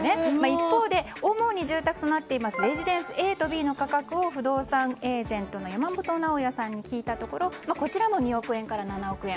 一方で、主に住宅となっているレジデンスＡとＢの価格を不動産エージェントの山本直彌さんに聞いたところこちらも２億円から７億円。